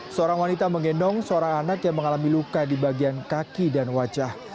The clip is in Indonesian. seorang wanita menggendong seorang anak yang mengalami luka di bagian kaki dan wajah